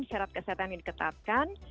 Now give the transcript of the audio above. syarat kesehatan yang diketatkan